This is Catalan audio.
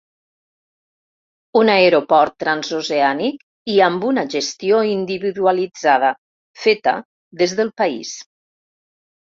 Un aeroport transoceànic i amb una gestió individualitzada, feta des del país.